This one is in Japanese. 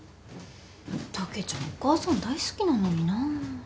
たけちゃんお母さん大好きなのにな。